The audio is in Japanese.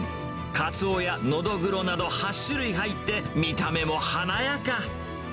かつおやのどぐろなど８種類入って見た目も華やか。